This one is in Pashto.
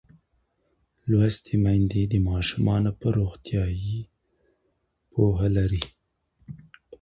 لوستې میندې د ماشوم پر ناروغۍ پوهه لري.